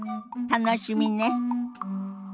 楽しみね。